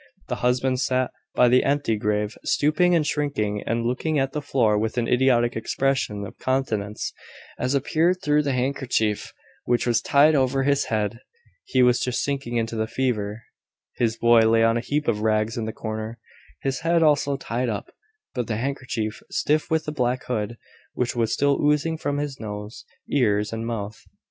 The husband sat by the empty grate, stooping and shrinking, and looking at the floor with an idiotic expression of countenance, as appeared through the handkerchief which was tied over his head. He was just sinking into the fever. His boy lay on a heap of rags in the corner, his head also tied up, but the handkerchief stiff with the black blood which was still oozing from his nose, ears, and mouth.